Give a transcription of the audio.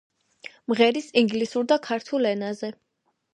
მღერის ინგლისურ და ქართულ ენაზე.